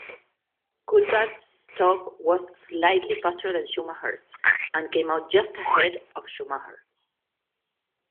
Coulthard's stop was slightly faster that Schumacher's, and came out just ahead of Schumacher.